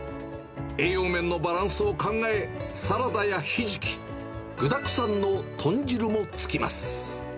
栄養面のバランスを考え、サラダやひじき、具だくさんのとん汁も付きます。